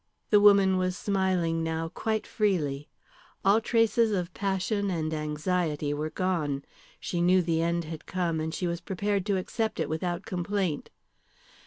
The woman was smiling now quite freely. All traces of passion and anxiety were gone. She knew the end had come, and she was prepared to accept it without complaint.